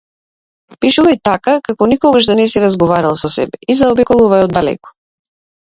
Пишувај така, како никогаш да не си разговарал со себе и заобиколувај оддалеку.